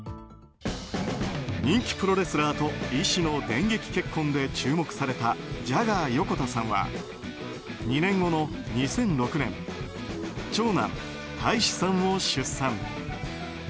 人気プロレスラーと医師の電撃結婚で注目されたジャガー横田さんは２年後の２００６年長男・大維志さんを出産。